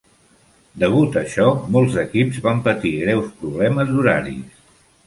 Degut a això, molts equips van patir greus problemes d'horaris.